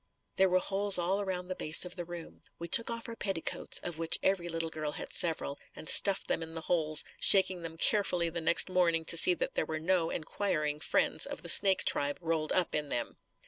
There were holes all around the base of the room. We took off our petticoats, of which every little girl had several, and stuffed them in the holes, shaking them carefully the next morning to see that there were no enquiring friends of the snake tribe rolled up in them.